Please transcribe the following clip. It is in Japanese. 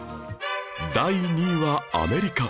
第２位はアメリカ